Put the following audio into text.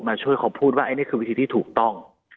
ช่วยเขาพูดว่าอันนี้คือวิธีที่ถูกต้อง